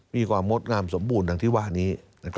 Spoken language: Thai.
มีความงดงามสมบูรณ์ดังที่ว่านี้